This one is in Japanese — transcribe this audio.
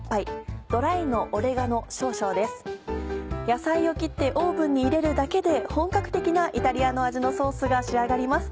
野菜を切ってオーブンに入れるだけで本格的なイタリアの味のソースが仕上がります。